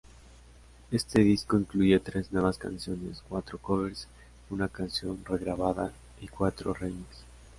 Este disco incluye tres nuevas canciones, cuatro covers, una canción re-grabada y cuatro re-mix.